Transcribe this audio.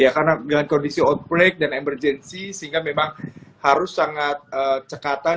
karena dengan kondisi outbreak dan emergency sehingga memang harus sangat cekatan